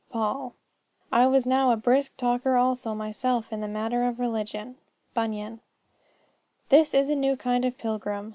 Paul. "I was now a brisk talker also myself in the matter of religion." Bunyan. This is a new kind of pilgrim.